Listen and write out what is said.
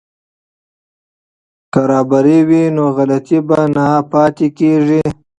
که رابر وي نو غلطي نه پاتې کیږي.